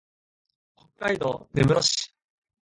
北海道根室市